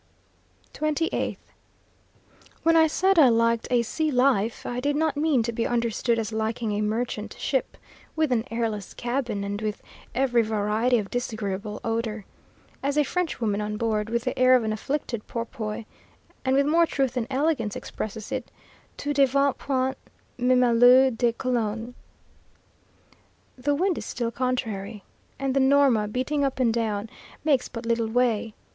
28th. When I said I liked a sea life, I did not mean to be understood as liking a merchant ship, with an airless cabin, and with every variety of disagreeable odour. As a French woman on board, with the air of an afflicted porpoise, and with more truth than elegance, expresses it: "Tout devient puant, même l'eau de cologne." The wind is still contrary, and the Norma, beating up and down, makes but little way.